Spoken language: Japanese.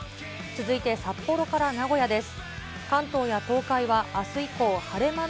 続いて札幌から名古屋です。